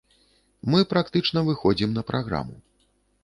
Мы практычна выходзім на праграму.